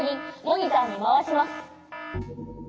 モニターにまわします。